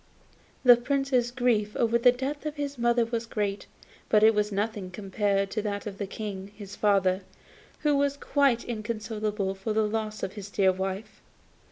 The Prince's grief at the death of his mother was great, but it was nothing compared to that of the King, his father, who was quite inconsolable for the loss of his dear wife.